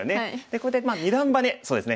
これで二段バネそうですね